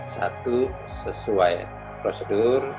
satu sesuai prosedur